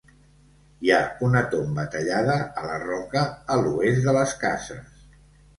Hi ha una tomba tallada a la roca a l’oest de les cases.